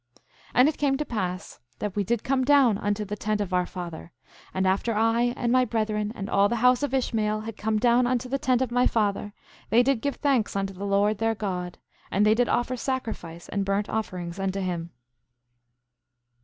7:22 And it came to pass that we did come down unto the tent of our father. And after I and my brethren and all the house of Ishmael had come down unto the tent of my father, they did give thanks unto the Lord their God; and they did offer sacrifice and burnt offerings unto him.